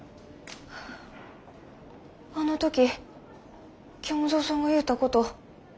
あの時虚無蔵さんが言うたこと。